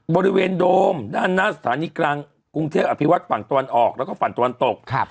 บริเวณโดมด้านหน้าสถานีกรางกรุงเทพฯอภิวัฒน์ฝั่งตรวนออกและฝั่นตรวนตก